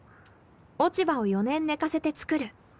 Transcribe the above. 落ち葉を４年寝かせて作る。